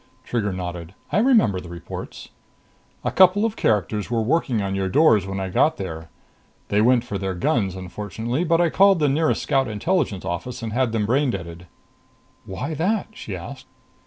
Trigger nodded. "I remember the reports." "A couple of characters were working on your doors when I got there. They went for their guns, unfortunately. But I called the nearest Scout Intelligence office and had them dead brained." "Why that?" she asked.